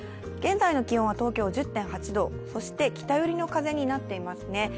現在の気温は東京１０．８度、そして北寄りの風になっていますね。